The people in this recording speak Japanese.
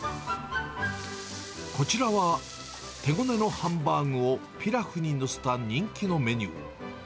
こちらは手ごねのハンバーグをピラフに載せた人気のメニュー。